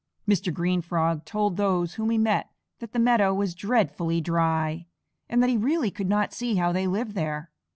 Mr. Green Frog told those whom he met that the meadow was dreadfully dry, and that he really could not see how they lived there.